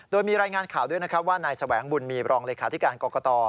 โดยมีรายงานข่าวด้วยนะครับว่านายแสวงบุญมีรองเลขาธิการกรกต